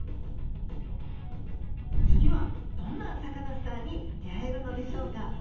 次はどんなサカナスターに出会えるのでしょうか？